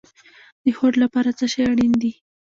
د هوډ لپاره څه شی اړین دی؟